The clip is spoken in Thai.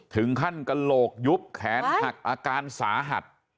ถึงขั้นกระโหลกยุบแขนหักอาการสาหัส